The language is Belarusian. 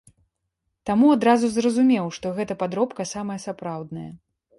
Таму адразу зразумеў, што гэта падробка самая сапраўдная.